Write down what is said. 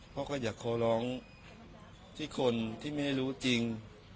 พ่อก็อยากขอร้องที่คนที่ไม่ได้รู้จริง